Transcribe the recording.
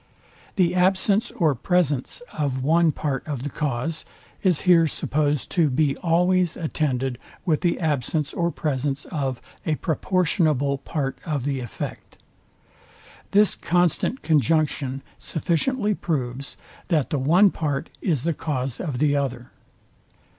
The absence or presence of one part of the cause is here supposed to be always attended with the absence or presence of a proportionable part of the effect. This constant conjunction sufficiently proves, that the one part is the cause of the other.